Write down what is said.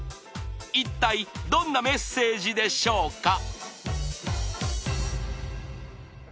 一体どんなメッセージでしょうか？